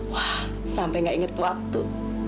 wah sampai gak inget waktu